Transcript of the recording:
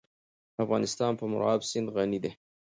افغانستان په مورغاب سیند غني دی.